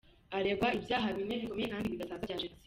Araregwa ibyaha bine bikomeye kandi bidasaza bya jenoside.